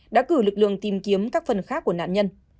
đã cử lực lượng tìm kiếm các phần khác của nạn nhân